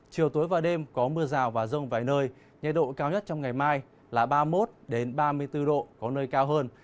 chiều tối và đêm có mưa rào và rông vài nơi nhiệt độ cao nhất trong ngày mai là ba mươi một ba mươi bốn độ có nơi cao hơn